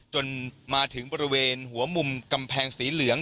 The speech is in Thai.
จนมาถึงบริเวณหัวมุมกำแพงสีเหลือง